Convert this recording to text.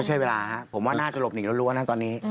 ใช้เวลาครับผมว่าน่าจะหลบหนีรั้วนะตอนนี้